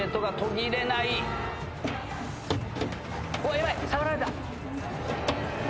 ヤバい触られた！